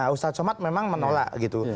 ustadz somad memang menolak gitu